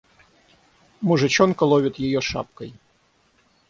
Мужичонка ловит её шапкой.